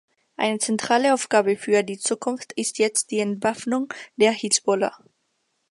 Eine zentrale Aufgabe für die Zukunft ist jetzt die Entwaffnung der Hisbollah.